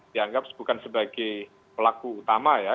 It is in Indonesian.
dianggap bukan sebagai pelaku utama ya